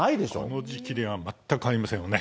この時期では全くありませんよね。